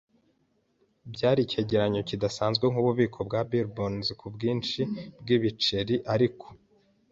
Byari icyegeranyo kidasanzwe, nkububiko bwa Billy Bones kubwinshi bwibiceri, ariko